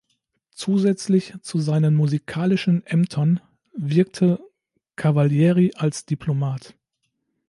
Zusätzlich zu seinen musikalischen Ämtern wirkte Cavalieri als Diplomat.